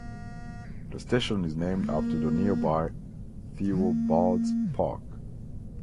The station is named after the nearby Theobalds Park.